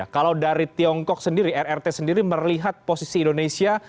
kalau dari tiongkok sendiri rrt sendiri melihat posisi indonesia